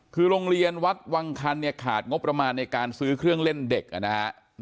คือโรงเรียนวัดวังคันเนี่ยขาดงบประมาณในการซื้อเครื่องเล่นเด็กนะฮะ